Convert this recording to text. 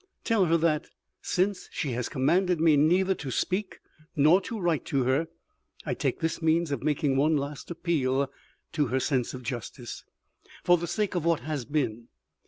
Tell her that, since she has commanded me neither to speak nor to write to her, I take this means of making one last appeal to her sense of justice, for the sake of what has been.